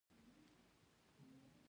باران وشو او کارغه اوبه وڅښلې.